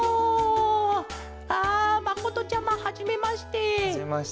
あまことちゃまはじめまして。